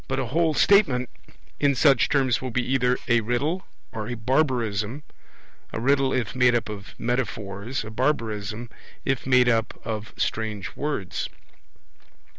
But a whole statement in such terms will be either a riddle or a barbarism, a riddle, if made up of metaphors, a barbarism, if made up of strange words.